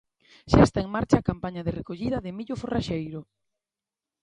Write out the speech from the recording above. Xa está en marcha a campaña de recollida de millo forraxeiro.